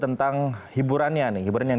tentang hiburannya nih hiburan yang